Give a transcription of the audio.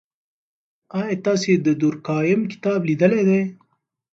آیا تاسې د دورکهایم کتاب لیدلی دی؟